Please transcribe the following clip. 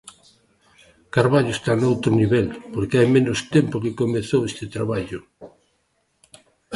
Carballo está noutro nivel, porque hai menos tempo que comezou este traballo.